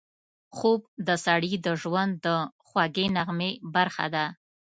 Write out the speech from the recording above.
خوب د سړي د ژوند د خوږې نغمې برخه ده